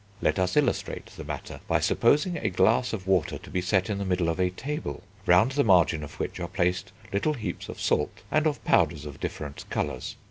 Let us illustrate the matter by supposing a glass of water to be set in the middle of a table, round the margin of which are placed little heaps of salt, and of powders of different colours.